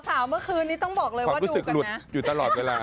สาวเมื่อคืนนี้ต้องบอกเลยว่าอยู่กันนะความรู้สึกหลุดอยู่ตลอดเวลา